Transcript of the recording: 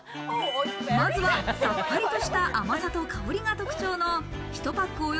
まずは、さっぱりとした甘さと香りが特徴の１パック